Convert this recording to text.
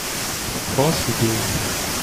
Of course we do.